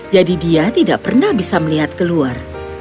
jadi dia tidak pernah bisa melihat keluar